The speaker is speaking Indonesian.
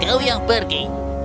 kau yang pergi